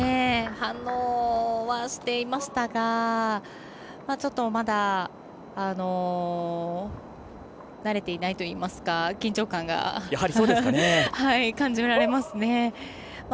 反応はしていましたがちょっとまだ慣れていないといいますか緊張感が感じられますね。